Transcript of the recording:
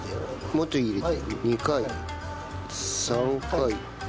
もっと入れて２回３回４回。